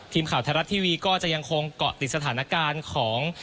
ทีมข่าวไทยรัฐทีวีก็จะยังคงเกาะติดสถานการณ์ของ